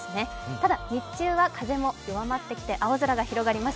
ただ、日中は風も弱まってきて青空が広がります。